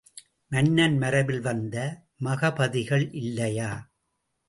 மன்னன் மரபில் வந்த மகிபதிகள் இல்லையா?